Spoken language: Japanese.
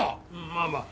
まあまあ。